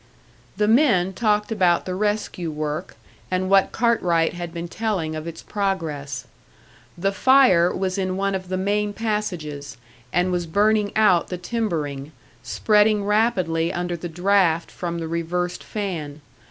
The men talked about the rescue work, and what Cartwright had been telling of its progress. The fire was in one of the main passages, and was burning out the timbering, spreading rapidly under the draft from the reversed fan.